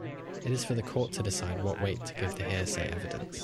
It is for the court to decide what weight to give the hearsay evidence.